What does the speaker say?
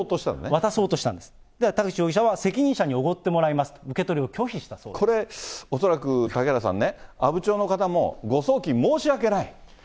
渡そうとしたんですが、田口容疑者は責任者におごってもらいますと、受け取りを拒否したこれ恐らく、嵩原さん、阿武町の方も誤送金、申し訳ない。